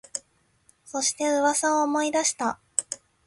そして、噂を思い出した